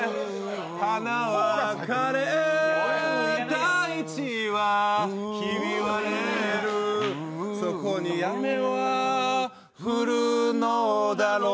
花は枯れ、大地はひび割れるそこに雨は降るのだろう。